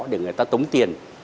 để người ta tống tin